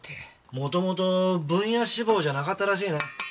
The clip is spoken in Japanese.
もともとブンヤ志望じゃなかったらしいね。